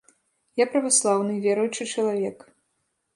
Я праваслаўны, веруючы чалавек.